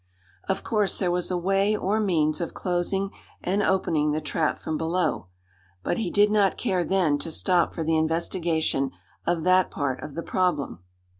Of course there was a way or means of closing and opening the trap from below; but he did not care then to stop for the investigation of that part of the problem.